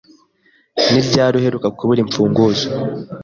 Ni ryari uheruka kubura imfunguzo?